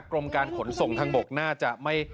กรมการขนส่งทางบกน่าจะไม่